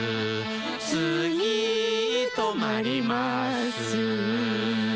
「つぎとまります」